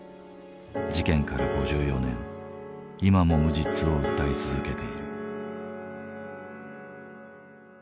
事件から５４年今も無実を訴え続けている。